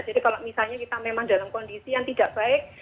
jadi kalau misalnya kita memang dalam kondisi yang tidak baik